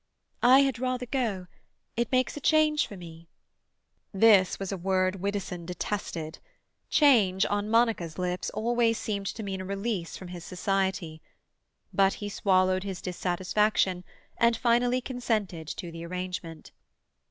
"I had rather go. It makes a change for me." This was a word Widdowson detested. Change, on Monica's lips, always seemed to mean a release from his society. But he swallowed his dissatisfaction, and finally consented to the arrangement.